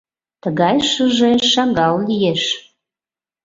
Тыгай шыже шагал лиеш.